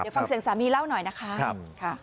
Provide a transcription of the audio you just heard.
เดี๋ยวฟังเสียงสามีเล่าหน่อยนะคะ